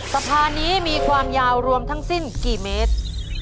สะพานนี้มีความยาวรวมทั้งสิ้นกี่เมตร